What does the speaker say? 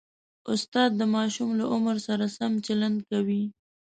استاد د ماشوم له عمر سره سم چلند کوي.